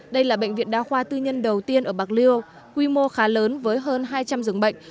đây là bệnh viện đa khoa tư nhân đầu tiên ở bạc liêu quy mô khá lớn với hơn hai trăm linh dường bệnh